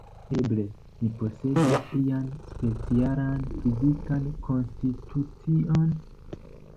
Eble, mi posedas ian specialan fizikan konstitucion?